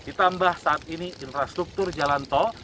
ditambah saat ini infrastruktur jalan tol